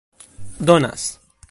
donas